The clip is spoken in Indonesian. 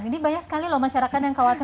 ini banyak sekali loh masyarakat yang khawatir